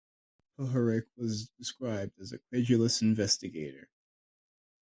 Puharich was described as a credulous investigator.